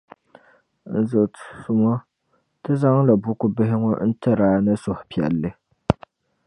N zɔsimo, Ti zaŋdi buku bihi ŋɔ n-tir' a ni suhi piɛlli.